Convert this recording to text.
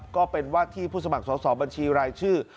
ก็เป็นว่าที่ผู้สมัครสอบบัญชีรายชื่อ